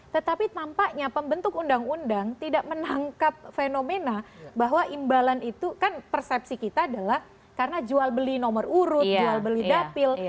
tetapi tampaknya pembentuk undang undang tidak menangkap fenomena bahwa imbalan itu kan persepsi kita adalah karena jual beli nomor urut jual beli dapil